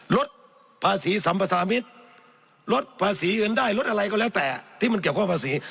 ลดภาษีสัมภาษามิตรลดภาษีเงินได้ลดอะไรก็แล้วแต่ที่มันเกี่ยวข้องภาษี